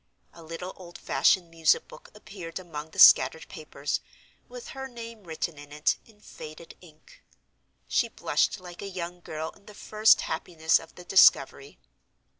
A little old fashioned music book appeared among the scattered papers, with her name written in it, in faded ink. She blushed like a young girl in the first happiness of the discovery.